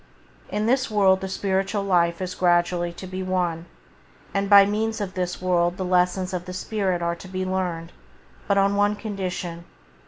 In this world the spiritual life is gradually to be won, and by means of this world the lessons of the spirit are to be learned — but on one condition.